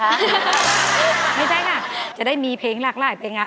ไม่ใช่ค่ะจะได้มีเพลงหลากหลายเพลงอ่ะ